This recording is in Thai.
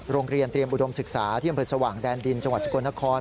โรงเรียนเตรียมอุดมศึกษาที่อำเภอสว่างแดนดินจังหวัดสกลนคร